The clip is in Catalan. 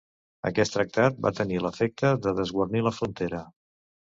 Aquest tractat va tenir l'efecte de desguarnir la frontera.